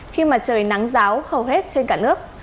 khi mà trời nắng giáo hầu hết trên cả nước